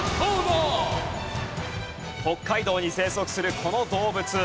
北海道に生息するこの動物。